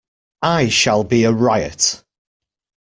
I shall be a riot.